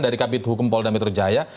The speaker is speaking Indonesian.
dari kapit hukum paul damitrujaya